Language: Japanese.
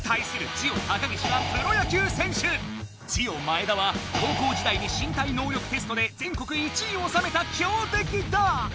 ジオ高岸はジオ前田は高校時代に身体能力テストで全国１位をおさめたきょうてきだ！